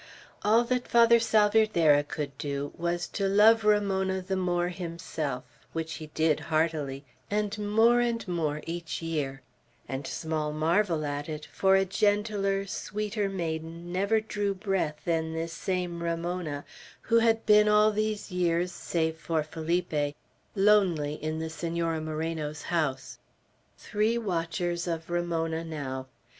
All that Father Salvierderra could do, was to love Ramona the more himself, which he did heartily, and more and more each year, and small marvel at it; for a gentler, sweeter maiden never drew breath than this same Ramona, who had been all these years, save for Felipe, lonely in the Senora Moreno's house. Three watchers of Ramona now.